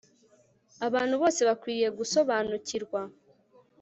Abantu bose bakwiriye gusobanukirwa